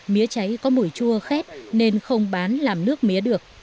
mía cháy có mùi chua khét nên không bán làm nước mía được